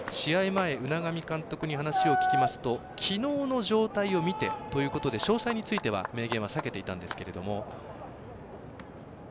前、海上監督に話を聞きますときのうの状態を見てということで詳細については明言は避けていたんですけれども。